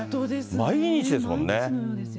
毎日ですもんね。